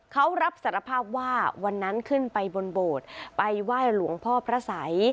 เขารับสารภาพว่าวันนั้นขึ้นไปบนโบสถ์ไปไหว้หลวงพ่อพระสัย